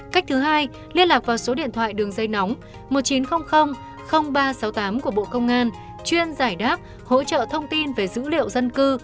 cách thứ hai liên lạc vào số điện thoại đường dây nóng một nghìn chín trăm linh ba trăm sáu mươi tám của bộ công an chuyên giải đáp hỗ trợ thông tin về dữ liệu dân cư